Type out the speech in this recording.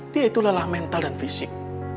dia itu lelah mental dan fisik